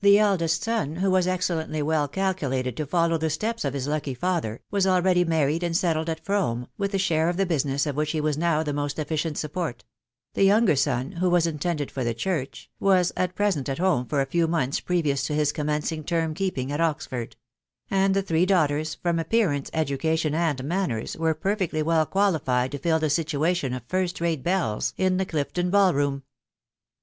The eldest son, who was excellently well calculated to follow the steps of his lucky father, was already married and settled at From a, with a share of the business of whieh he was now the most efficient support ; the younger son, who was intended for the church, was at present at home for a lew months pre vious to hU consmenaing term keeping at Oxford; and the three daughters, from appearance, education, and manners, were perfectly well qualified to fill the situation of first rate belies in the Clifton ball room.